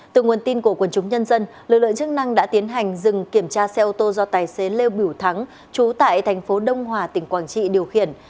từ nguồn tin của quần chúng nhân dân lực lượng chức năng đã tiến hành dừng kiểm tra xe ô tô do tài xế lêu bỉu thắng chú tại tp đông hòa tỉnh quảng trị điều khiển